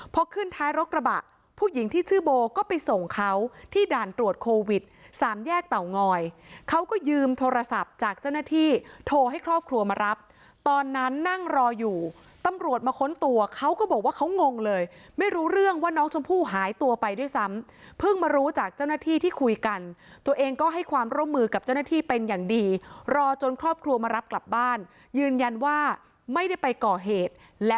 พอขึ้นท้ายรถกระบะผู้หญิงที่ชื่อโบก็ไปส่งเขาที่ด่านตรวจโควิดสามแยกเตางอยเขาก็ยืมโทรศัพท์จากเจ้าหน้าที่โทรให้ครอบครัวมารับตอนนั้นนั่งรออยู่ตำรวจมาค้นตัวเขาก็บอกว่าเขางงเลยไม่รู้เรื่องว่าน้องชมพู่หายตัวไปด้วยซ้ำเพิ่งมารู้จากเจ้าหน้าที่ที่คุยกันตัวเองก็ให้ความร่วมมือกับเจ้าหน้าที่เป็นอย่างดีรอจนครอบครัวมารับกลับบ้านยืนยันว่าไม่ได้ไปก่อเหตุและ